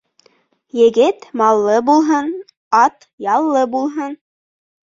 Егет маллы булһын, ат яллы булһын.